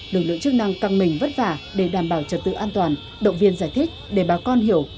lực lượng chức năng căng mình vất vả để đảm bảo trật tự an toàn động viên giải thích để bà con hiểu